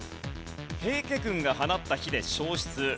平家軍が放った火で焼失。